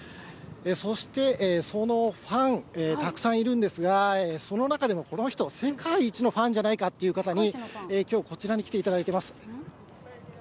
そして、そのファン、たくさんいるんですが、その中でも、この人、世界一のファンじゃないかという方にきょう、こちらに来ていただ